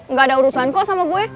nggak ada urusan kok sama gue